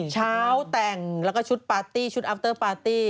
เช้าแต่งแล้วก็ชุดปาร์ตี้ชุดอัพเตอร์ปาร์ตี้